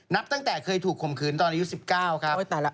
นับตั้งแต่เคยถูกข่มขืนตอนอายุ๑๙ครับโอ๊ยตายละ